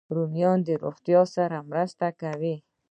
رومیان د روغتیا سره مرسته کوي